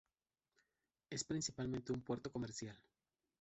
Es principalmente un puerto comercial.